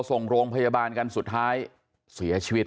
ส่งโรงพยาบาลกันสุดท้ายเสียชีวิต